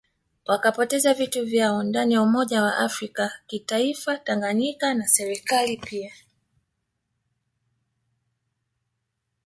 Wakapoteza vitu vyao ndani ya umoja wa afrika kitaifa Tanganyika na Serikalini pia